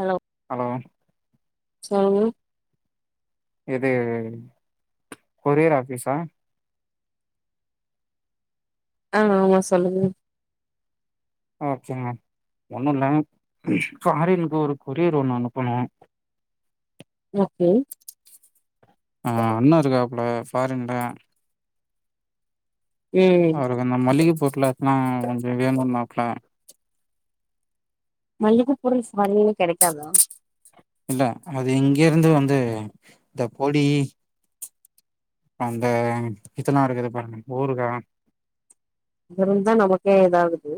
Hello hello சொல்லுங்க இது courier ஆபிஸா ஆ ஆமா சொல்லுங்க ஓகேங்க ஒண்ணும் இல்ல காலைலக்கு ஒரு கொரியர் ஒண்ணு அனுப்பணும் ஓகே அண்ணா இருக்காப்ல பாரின்ல ம் அவர நம்மல்லிக்கு போட்டுலச்சனா கொஞ்சம் வேணும்னாப்ல மல்லிகை பொருள்ஸ் மல்லே கெடைக்காத இல்ல அது இங்க இருந்து வந்து இந்த பொடி அந்த இத்தெல்லாம் இருக்குது பாருங்க ஊருக்கா அங்கருந்தான் நமக்கே இததாகுது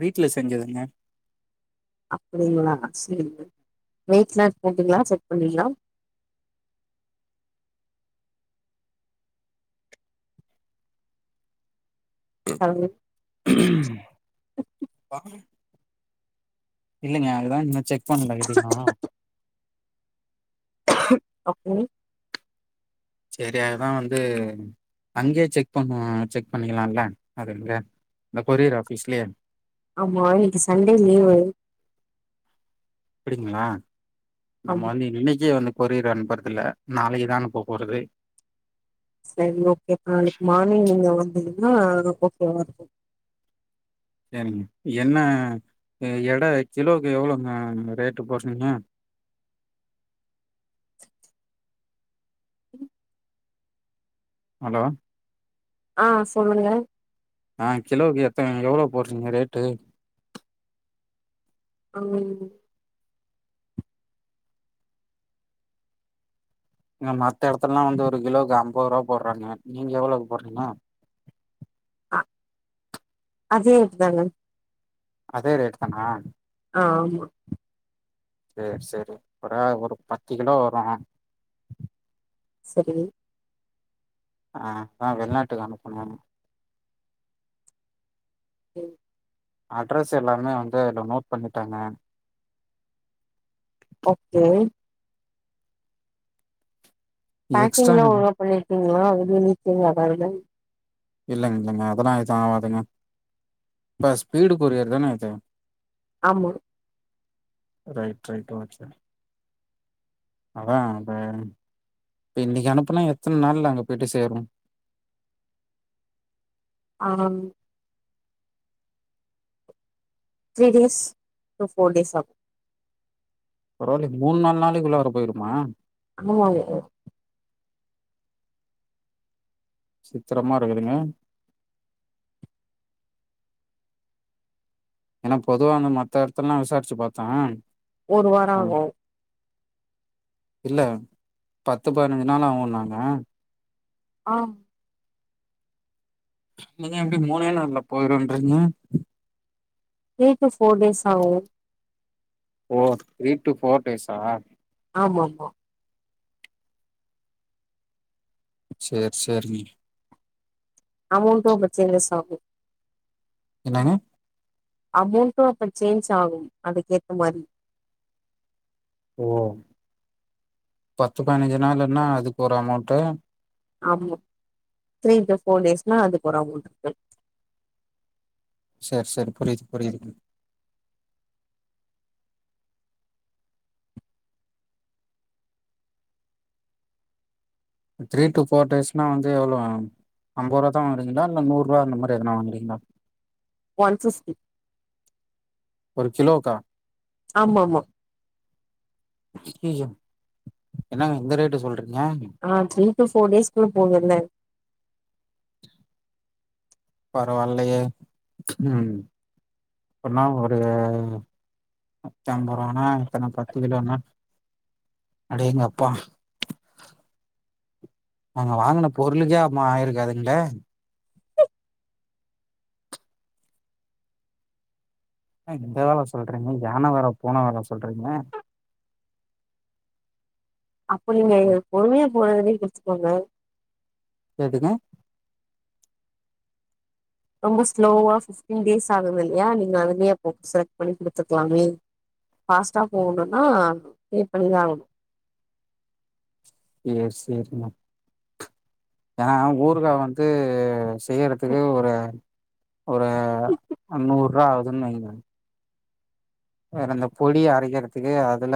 வீட்டுல செஞ்சதுங்க அப்டிங்களா சேரிங்க வெயிட்லா செஞ்சீங்களா செக் பண்ணீங்களா தானே இல்லங்க அதுதான் இனச்ச க் பண்ல இது இன்னு அப்டி செரி அதுதான் வந்து அங்கயே செக் பண்ணுவக செக் பண்ணிக்கலாம்ல அதுல்ல இந்த கொரியர் ஆபீஸ்லய ஆமா இன்னைக்கி சண்டே லீவு் அப்டிங்களா நம்ம ஆமா வந்து இன்னைக்கே வந்து பொரியர் அனுப்பறதுல நாளைக்குதான அனுப்ப போறது சரி ஓகே நாளைக்கு மார்னிங் நீங்க வந்த் ஆஹ ஓகே ஓகே சரிங்க என்ன எட கிலோக்கு எவ்ளவுங்க ரேட்டு போடுறீங்க ஹலோ ஆஹ் சொல்லுங்க ஆஹ் கிலோக்கு எத்த எவ்வளவு போடுறீங்க ரேட்டு ஆமா ங்க மத்த இடத்துலல்லாம் வந்து ஒரு கிலோக்கு ஐம்பது ரூபாய் போடுறாங்க நீங்க எவ்வளவுக்கு போடுறீங்க அதேதுதாங்க அதே ரேட் தானா ஆஹ் ஆமா செரி செரி அப்புற ஒரு பத்து கிலோ வரும் சரி ஆஹ் அதான் வெளிநாட்டுக்கு அனுப்பணும் உம் அட்ரஸ் எல்லாமே வந்து அதுல நோட் பண்ணிட்டாங்க ஓகே எக்ஸ்ட்ரா பேக்கிங்லாம் இல்லைங்க, ஒழுங்கா பண்ணிருக்கீங்களா வெளிய லீக் ஏதும் ஆகாம இல்லங்க இல்லங்க அதெல்லாம் ஏதும் ஆதுங்க இப்ப ஸ்பீடு குரியர் தானே இது ஆமா ரைட் ரைட் வாச்சாரன் அதான் அப்ப இப்ப இன்னைக்கு அனுப்புனா எத்தனை நாள்ல நாங்க போயிட்டு சேரும் ஆஹ் த்ரீ டேஸ் ஃபோர் டேஸ் ஆகும் பரவாயில்ல மூணு நாள் நாள் நாளைக்குள்ள போயிருமா ஆமா விசித்திரமா இருக்குதுங்க ஏன்னா பொதுவா அந்த மத்த இடத்துலல்லாம் விசாரிச்சு பார்த்தேன் ஒரு வாரம் அ ஆகும் இல்ல பத்து பதினஞ்சு நாள் ஆகும் நாாங்க ஆஹம் நீங்க எப்படி மூணே நாள்ல போயிரும்ன்றீங்க த்ரீ டு ஃபோர் டேஸ் ஆகும் த்ரீ டு ஃபோர் ஸா ஆமா ஆமா சேரி சேரி அமௌன்ட் கொஞ்சம் சான்சே ஆகும் என்னங்க அமௌண்ட்டும் அப்ப சேஞ்ச் ஆகும் அதுக்கேத்த மாரி ஓ பத்து பதின்சு நாள் ன்னா அதுக்கு ஒரு அமௌண்ட்ட் ஆமா த்ரீ டு ஃபோர் டேஸ்னா அதுக்கோரு அமௌன்ட் இருக்கு செரி செரி புரியுது புரியுது த்ரீ டு போர் டேஸ்னா வந்து எவ்வளவு ஐம்பது ரூபா தான் வாங்குறீங்களா இல்ல நூறு ரூபா அந்த மாதிரி எதனா வாங்குறீங்களா ஒன் பிப்டி கிலோ கா ஆமா ஆமா என்னங்க இந்த ரேட் சொல்ரீ ஆஹ செரி போர் டேஷ் ஸ்கூல் போகல பரவாயில்லையே உஹம் அப்பின்னா ஒரு நூத்தஐம்பது ரூபனா எத்தனை பத்து கிலோனா அடேங்கப்பா நாங்க வாங்குன பொருளுக்கே ஆமா ஆயிருக்காதுங்கலே இந்த வெல சொல்றீங்க யானை வெல பூன வெல சொல்றீங்க அப்ப நீங்க எங்க ம், பொறுமைய போனதும் பொறுத்துக்கோங்க கேட்குதா ரொம்ப ஸ்லோவா பிப்டீன் டேஸ் ஆகுதே இல்லையா நீங்க அதுலே செலக்ட் பண்ணி குடுத்துக்கலாமே பாஸ்ட்டா போகணும்னா பே பண்ணி தான் ஆகணும் செரி செரி ஏன்னா ஹ ஊறுகா வந்து செய்றதுக்கு ஒரு ஒரு நூறுரூபா ஆகுதுன்னு வைங்க ஹ அந்த பொடிய அரைக்கிறதுக்கு அதுல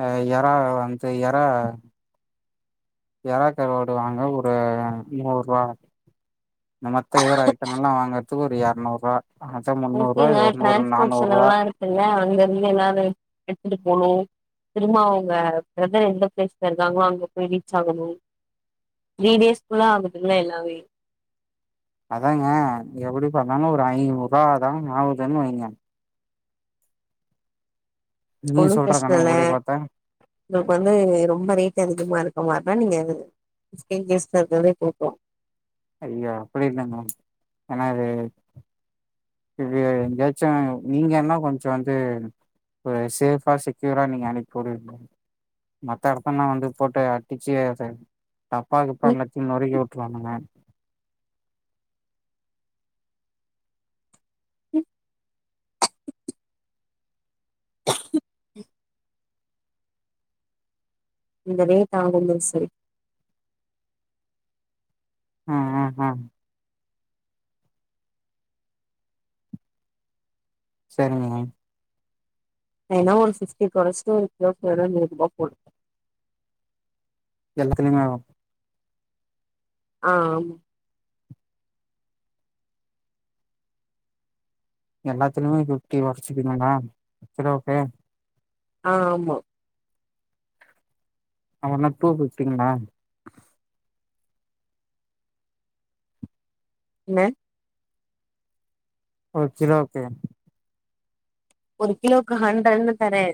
ஹ எற அஅந்து எற இறாகருவாடு வாங்க ஒரு நூறுவா இந்த மந்த் இதர ஐட்டம் எல்லாம் வாங்கறதுக்கு ஒரு எரநூறுவா அதா முந்நூறுவா இது ஓகேங்க ஒரு நூறு டிரான்ஸ்போர்ட் நானூறுவா செலவலாம் இருக்குல்ல அங்க இருந்து எல்லாரு எடுத்துட்டு போனும் திரும்ம அவுங்க பிரதர் எந்த பிளேஸ்ல இருக்காங்களோ அங்க போய் ரீச் ஆகணும் த்ரீ டேஸ்குள்ள ஆகுதுளா எல்லாமே அதாங்க எப்படி பண்ணாலும் ஒரு ஐநூறுவா தா ஆவுதுன்னு வைங்க நீங்க ஒண்ணும் சொல்ற பிரச்சனை இல்ல கணக்குப்படி பாத்தா உங்களுக்கு வந்து ரொம்ப ரேட் அதிகமா இருக்க மாரி ஆ நீங்க அது பீப்டின் டேஸ்ல இருக்குறதே குடுக்கலாம் ஐயா அப்படி இல்ல மேம் ஏன்னா அது இ எங்கயாச்சும் நீங்கல்லாம் கொஞ்சம் வந்து ஒரு சேஃபா செக்யூரா நீங்க அனுப்பி விடு மத்த இடத்தல்லாம் வந்து போட்டு அட்டிச்சு அத டப்பாகிப்பா எல்லாத்தையும் நொறுக்கி விட்டுருவானுங்க இந்தனை தான் ஒ சரி ஆஹ ஆஹ ஹ சரிங்க ஏன்னா ஒரு பிப்டி கொரச்சி உனக்கு போய்ட்டு வார நூறுவா போட் எல்லாத்துலயுமே ஆ ஆம் எல்லாத்துலயுமே பிப்டி குரச்சுக்குதுனா ஓகே ஆஹ ஆமா ஹ என்ன டூபிப்டிங்களா இல்ல ஒரு கிலோ ஓகே ஒரு கிலோக்கு ஹண்ட்ரடுனு தரே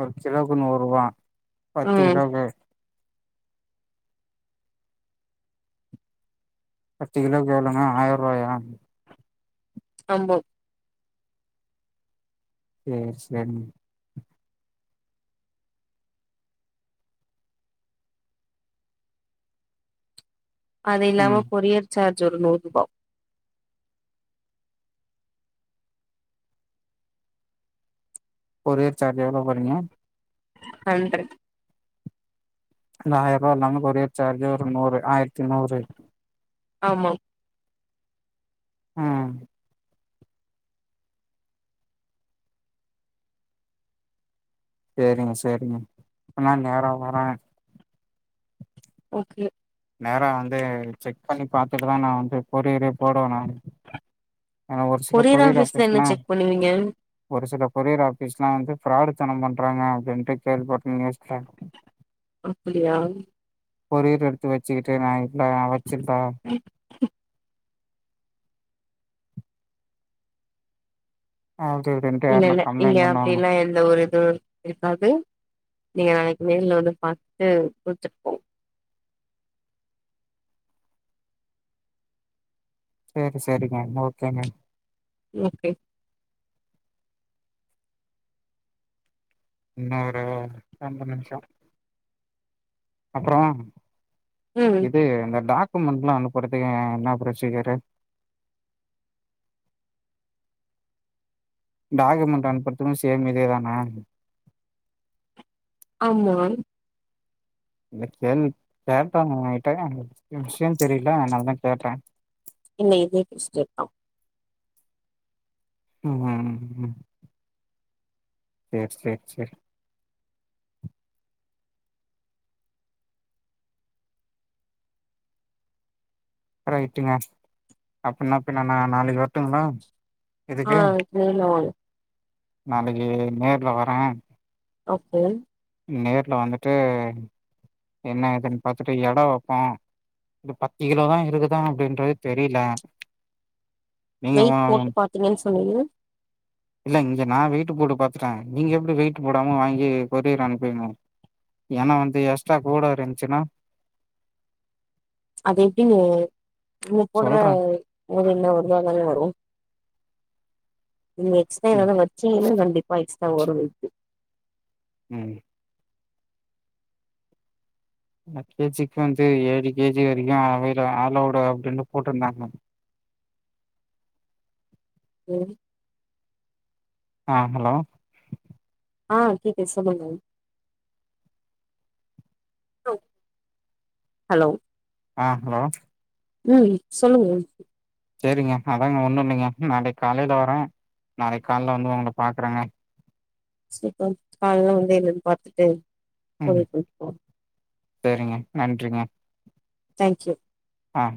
ஒரு கிலோக்கு நூறுவா ம் பத்தினாங்க பத்து கிலோக்கு எவ்வளவுனா ஆயிரம் ரூபாய் ய ஆமாம் சேரி சேரிங்க அது இல்லாம ம் கொரியர் சார்ஜ் ஒரு நூறுவா கொரியர் சார்ஜ் எவ்வளவு போடுறீங்க நன்றி இந்த ஆயிரம் ரூபா இல்லாம கொரியர் சார்ஜு ஒரு நூறு ஆயிரத்தி நூறு ஆமா ம் செரிங்க செரிங்க இல்லான் நேரம் வரான் ஓகே நேராக வந்து செக் பண்ணி பாத்துட்டு தான் நான வந்து கோரியரேயே போடுவே நா ஏன்னா ஒரு சில கொரியர் ஆஃபீஸ்ல என்ன ஆபீஸ்லாம் செக் பண்ணுவீங்க? ஒரு சில கொரியர் ஆபீஸ் எல்லாம் வந்து பிராடுத்தனம் பண்றாங்க அப்டின்ட்டு கேள்விப்பட்ட யோசிக்கேன் அப்டியா ஒரு [inaudible] வச்சுக்கிட்டு ந வச்சுருதா அப்டி இப்டின்ட்டு இல்ல யாருனா இல்ல இல்ல கம்ப்ளைண்ட் அப்டி பண்ணுவாங்க இல்லாம் எந்த ஊர் இருக்காது நீங்க நாளைக்கு நேரல வந்து பாத்தட்டு கொடுத்துருக்கோம் செரி செரிங்க ஓகேங்க ஓகே இன்னொரு ரெண்டு நிமிஷம் அப்பறம் ம். இது இந்த டாக க்குமண்டலாம் அனுப்பறதுக்கு என்ன புரசிஜரு டாக்குமெண்ட் அனுபறும் சேமி இதேதானே ஆமா இத கேள் கேட்டா எகிட்ட என விஷயம் தெரியல அதுநாலதான் கேட்டேன் இ நீதுசப்ப [inaudible] உம் உம் உ செரி செரி செரி ரைட்டுங்க அப்டின்னா பின்ன நாளைக்கு வருட்டுங்களா ஆ நேர்ல வாங்க நாளைக்கு நேர்ல வரேன் ஓகே நேர்ல வந்துட்டு என்ன இதுன்னு பாத்துட்டு எடம் வைப்போம் இது பத்து கிலோதான் இருக்குதான் அப்டின்றது தெரியல வெயிட் போட்டு பாத்தீங்கன்னு சொல்லது இல்ல இங்க நான வெயிட்டு போட்டு பாத்துட்டேன் நீங்க எப்டி வெயிட்டு போடாம வாங்கி கொரியர் அனுப்புவிங்க ஏன்னா வந்து எக்ஸ்ட்ரா கூட இருந்துச்சுன்னா அத எப்டி நீ நீங்க போடுற சொல்றே என்ன வருத அதாலாம் வரும் எக்ஸ்ட ம் வச்சுன்னா கண்டிப்பா ஒரு வைத்து ம் கேஜிக்கு வந்து ஏழு கேஜி வரைக்கும் அவல ஆலோடு அப்டின்னு போட்டிருந்தாங்க ம் ஆ ஹலோ ஆ கேக்குது சொல்லுங ஹலோ ஹலோ ஆ ஹலோ உம் சொல்லுங்க சேரிங்க அதாங்க ஒண்ணு இல்லிங்க நாளைக்கி காலைல வரே நாளைக்கி காலைல வந்து உங்கள பாக்குறேங்க [unintelligible] காலல வந்து என்னன்னு பாத்துட்டு ம் ஒரே [unintelligible] சேரிங்க நன்றிங்க தேங்க்யூ ஆம்